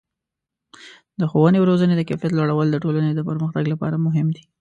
د ښوونې او روزنې د کیفیت لوړول د ټولنې د پرمختګ لپاره مهم دي.